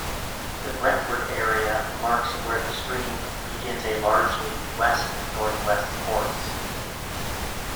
The Brentwood area marks where the stream begins a largely west-northwest course.